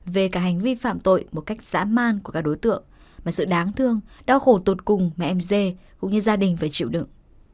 về cả hành vi phạm tội một cách dã man của các đối tượng mà sự đáng thương đau khổ tột cùng mà em dê cũng như gia đình phải chịu đựng